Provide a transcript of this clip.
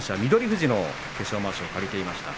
富士の化粧まわしを借りていました。